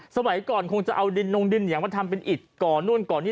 สมัยก่อนคงจะเอาดินนงดินเหนียงมาทำเป็นอิดก่อนนู่นก่อนี่